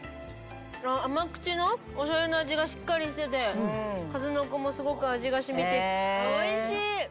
甘口のおしょうゆの味がしっかりしてて数の子もすごく味が染みておいしい！